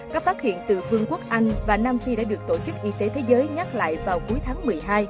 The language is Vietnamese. các phát hiện từ vương quốc anh và nam phi đã được tổ chức y tế thế giới nhắc lại vào cuối tháng một mươi hai